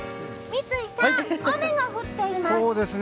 三井さん、雨が降っています。